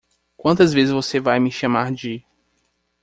Quantas vezes você vai me chamar de?